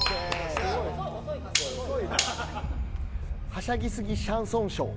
はしゃぎすぎシャンソンショー。